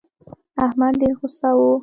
احمد ډېر غوسه و.